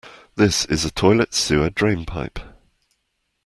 This is a toilet sewer drain pipe.